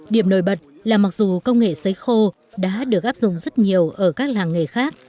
điểm nổi bật là mặc dù công nghệ xấy khô đã được áp dụng rất nhiều ở các làng nghề khác